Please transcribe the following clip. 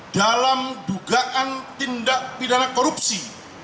dalam dugaan tindak pidana korupsi